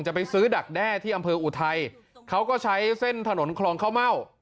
จะไปซื้อดักแด้ที่อำเภออุทัยเขาก็ใช้เส้นถนนคลองข้าวเม่า